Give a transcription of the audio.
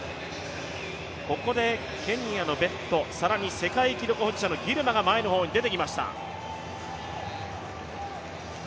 ここでケニアのベット、更に世界記録保持者のギルマが前の方に出てきました。